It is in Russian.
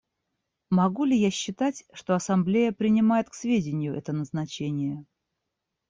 Могу ли я считать, что Ассамблея принимает к сведению это назначение?